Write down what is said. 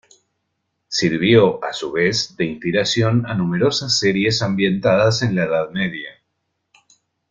Sirvió, a su vez, de inspiración a numerosas series ambientadas en la Edad Media.